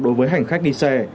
đối với hành khách đi xe